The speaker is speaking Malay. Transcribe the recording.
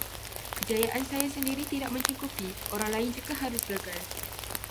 Kejayaan saya sendiri tidak mencukupi, orang lain juga harus gagal.